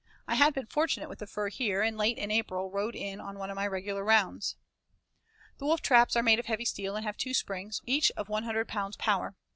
I had been fortunate with the fur here, and late in April rode in on one of my regular rounds. The wolf traps are made of heavy steel and have two springs, each of one hundred pounds power.